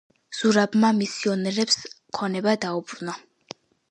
ზურაბმა მისიონერებს ქონება დაუბრუნა.